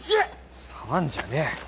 触んじゃねえ。